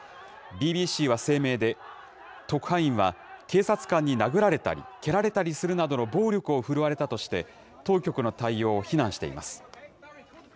ＢＢＣは声明で、特派員は警察官に殴られたり、蹴られたりするなどの暴力を振るわれたとして、当局の対応を非難しています。